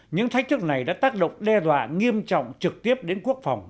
những thách thức này đã tác động đe dọa nghiêm trọng trực tiếp đến quốc phòng